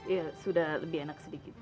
ya sudah lebih enak sedikit